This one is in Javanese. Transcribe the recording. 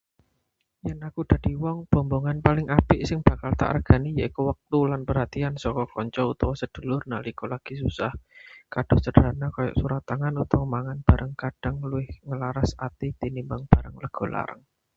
Yen aku dadi wong, bombongan paling apik sing bakal tak regani yaiku wektu lan perhatian saka kanca utawa sedulur nalika lagi susah. Kado sederhana kaya surat tangan utawa mangan bareng kadhang luwih nglaras ati tinimbang barang rega larang.